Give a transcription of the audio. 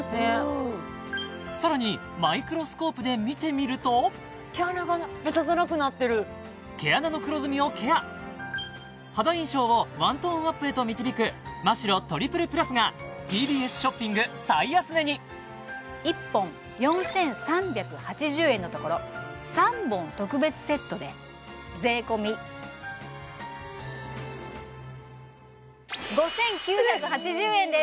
うんさらにマイクロスコープで見てみると毛穴が目立たなくなってる毛穴の黒ずみをケア肌印象をワントーンアップへと導くマ・シロトリプルプラスが１本４３８０円のところ３本特別セットで税込５９８０円ですえっ！？